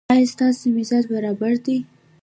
ایا ستاسو مزاج برابر دی؟